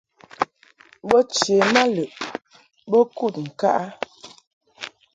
Bo che ma mɔʼ lɨʼ bo kud ŋka a.